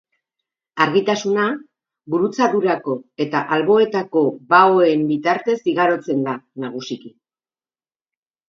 Argitasuna gurutzadurako eta alboetako baoen bitartez igarotzen da, nagusiki.